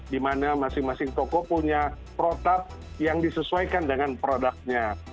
di mana masing masing toko punya protap yang disesuaikan dengan produknya